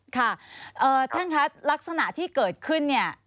ค่ะท่านคะลักษณะที่เกิดขึ้นเนี่ย